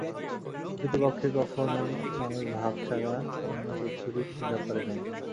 প্রকৃতপক্ষে কখনই মানুষ ভাব ছাড়া অন্য কিছুরই পূজা করে নাই।